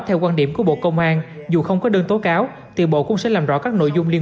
theo quan điểm của bộ công an dù không có đơn tố cáo thì bộ cũng sẽ làm rõ các nội dung liên